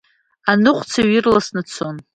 Аныҟәцаҩ ирласны дцон.